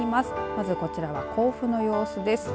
まずこちらは甲府の様子です。